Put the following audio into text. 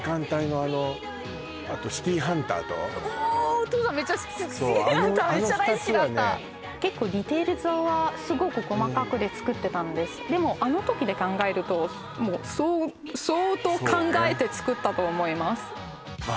めちゃ好きめちゃ大好きだったあの２つはね結構ディテールズはすごく細かくで作ってたんですでもあの時で考えると相当考えて作ったと思いますそうね